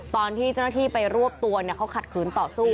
ตอนที่เจ้าหน้าที่ไปรวบตัวเขาขัดขืนต่อสู้